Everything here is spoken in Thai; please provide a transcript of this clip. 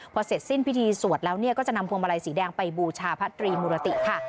พอเสร็จสิ้นพิธีสวดแล้วก็จะนำพวงมาลัยสีแดงไปบูชาพระตรีมุรติค่ะ